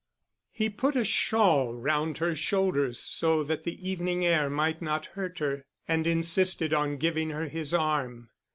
He put a shawl round her shoulders, so that the evening air might not hurt her, and insisted on giving her his arm.